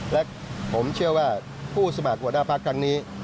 และผมเชื่อว่าผู้สมัครหัวหน้าพักครั้งนี้